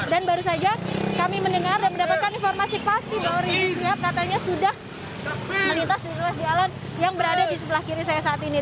dan baru saja kami mendengar dan mendapatkan informasi pasti bahwa rizik siap katanya sudah melintas di ruas jalan yang berada di sebelah kiri saya saat ini